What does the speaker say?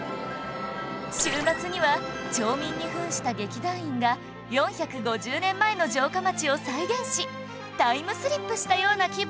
週末には町民に扮した劇団員が４５０年前の城下町を再現しタイムスリップしたような気分を味わえる